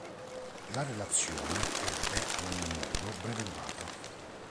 La relazione ebbe ad ogni modo breve durata.